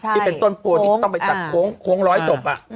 ที่เป็นต้นโพที่จะต้องไปตัดโค้งร้อยศพ